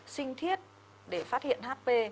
sinh thiết để phát hiện hp